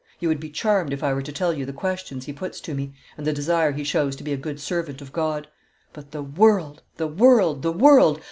You would be charmed if I were to tell you the questions he puts to me, and the desire he shows to be a good servant of God. But the world! the world! the world!